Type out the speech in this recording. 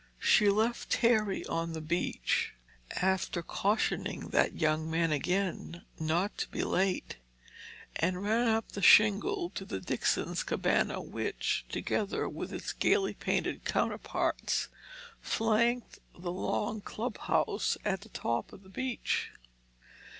She left Terry on the beach, after cautioning that young man again not to be late, and ran up the shingle to the Dixons' cabana, which, together with its gaily painted counterparts, flanked the long club house at the top of the beach.